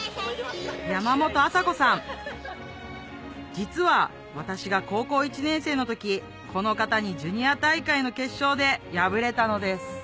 山本有佐子さん実は私が高校１年生の時この方にジュニア大会の決勝で敗れたのです